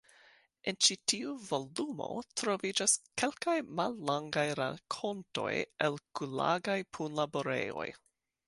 En ĉi tiu volumo troviĝas kelkaj mallongaj rakontoj el Gulagaj punlaborejoj.